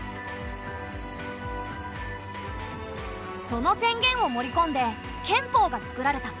その宣言を盛りこんで憲法が作られた。